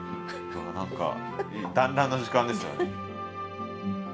何か団らんの時間ですね。